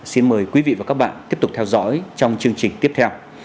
xin mời quý vị và các bạn tiếp tục theo dõi trong chương trình tiếp theo